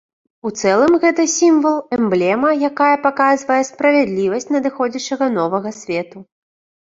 У цэлым, гэта сімвал, эмблема, якая паказвае справядлівасць надыходзячага новага свету.